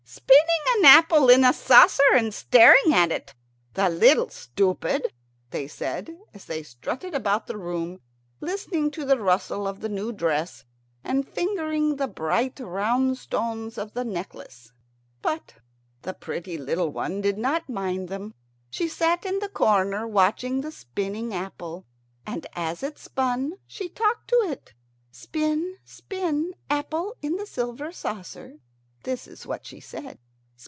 "Spinning an apple in a saucer and staring at it, the little stupid," they said, as they strutted about the room, listening to the rustle of the new dress and fingering the bright round stones of the necklace. But the little pretty one did not mind them. She sat in the corner watching the spinning apple. And as it spun she talked to it. "Spin, spin, apple in the silver saucer." This is what she said.